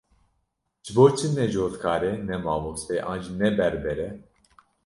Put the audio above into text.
Ji bo çi ne cotkar e, ne mamoste ye, an jî ne berber e?